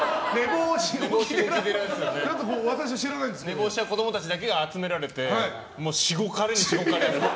寝坊した子供たちだけが集められてしごかれにしごかれる。